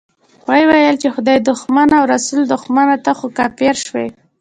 ويې ويل چې خدای دښمنه او رسول دښمنه، ته خو کافر شوې.